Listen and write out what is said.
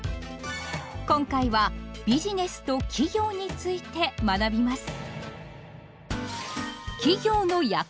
今回は「ビジネスと企業」について学びます。